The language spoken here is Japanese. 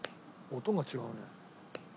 音が違うね。